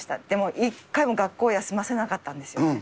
でも一回も学校を休ませなかったんですよ。